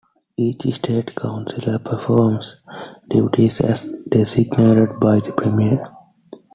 Each State Councilor performs duties as designated by the Premier.